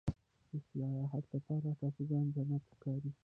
د سیاحت لپاره یې ټاپوګان جنت ښکاري.